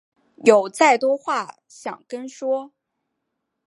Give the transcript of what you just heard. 有再多话想跟说